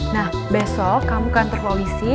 nah besok kamu kantor polisi